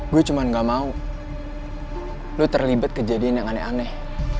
gue cuma gak mau lu terlibat kejadian yang aneh aneh